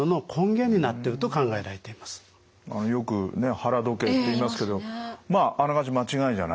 よくね腹時計と言いますけどまああながち間違いじゃないっていう。